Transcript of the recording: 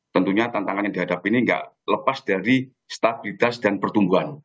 tentunya tantangan yang dihadapi ini tidak lepas dari stabilitas dan pertumbuhan